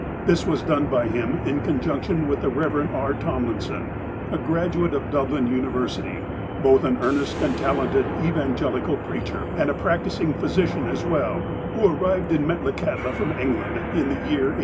This was done by him in conjunction with the Eev. E. Tomlin son, a graduate of Dublin University, both an earnest and talented evangelical preacher, and a practicing physi cian as well, who arrived in Metlakahtla from England in the year 1867.